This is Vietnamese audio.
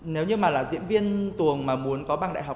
nếu như mà là diễn viên tuồng mà muốn có bằng đại học